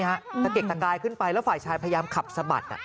ตะเกกตะกายขึ้นไปแล้วฝ่ายชายพยายามขับสะบัด